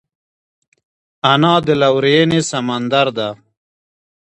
انا د لورینې سمندر ده